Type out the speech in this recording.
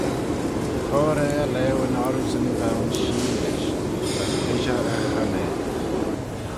Chur eh e laueyn orroosyn va ayns shee rish: as vrish eh e chonaant.